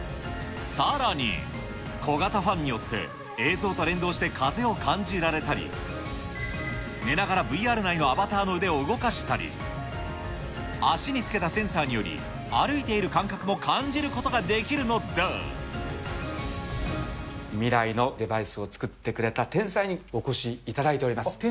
さらに、小型ファンによって、映像と連動して風を感じられたり、寝ながらＶＲ内のアバターの腕を動かしたり、足に付けたセンサーにより、歩いている感覚も感じることがで未来のデバイスを作ってくれた天才にお越しいただいております。